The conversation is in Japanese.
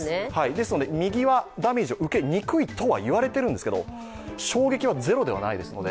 ですので右はダメージを受けにくいとはいわれてるんですけど衝撃はゼロではないので。